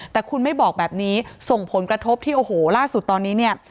แต่คุณไม่บอกแบบนี้ส่งผลกระทบที่โอ้โหล่าสุดตอนนี้เนี่ย